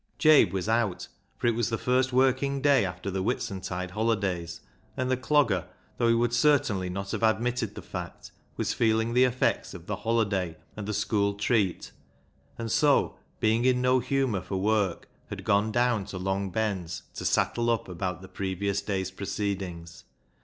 Jabe was out, for it was the first working day after the Whitsuntide holidays, and the Clogger, though he would certainly not have admitted the fact, was feeling the effects of the holiday and the school treat, and so, being in no humour for work, had gone down to Long Ben's to " sattle up " about the previous day's proceedings.